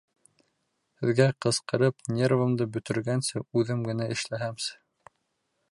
Һеҙгә ҡысҡырып, нервымды бөтөргәнсе, үҙем генә эшләһәмсе...